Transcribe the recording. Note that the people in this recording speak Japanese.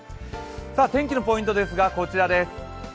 天気のポイントですが、こちらです